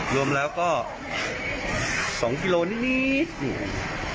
รวมแล้วก็๒กิโลเมตรนิด